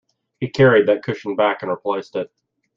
He carried that cushion back and replaced it.